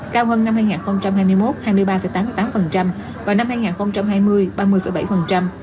cao hơn năm hai nghìn hai mươi một hai mươi ba tám mươi tám vào năm hai nghìn hai mươi ba mươi bảy